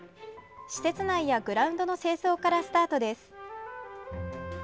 施設内やグラウンドの清掃からスタートです。